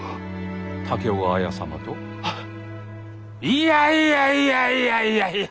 いやいやいやいやいやいや。